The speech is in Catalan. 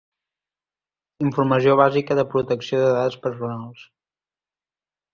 Informació bàsica de protecció de dades personals.